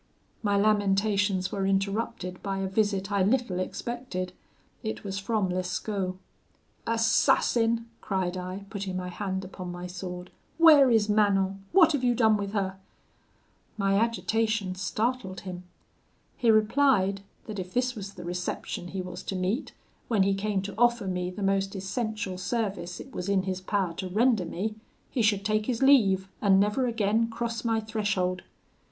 "My lamentations were interrupted by a visit I little expected; it was from Lescaut. 'Assassin!' cried I, putting my hand upon my sword, 'where is Manon? what have you done with her?' My agitation startled him. He replied, that if this was the reception he was to meet, when he came to offer me the most essential service it was in his power to render me, he should take his leave, and never again cross my threshold.